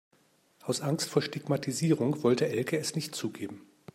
Aus Angst vor Stigmatisierung wollte Elke es nicht zugeben.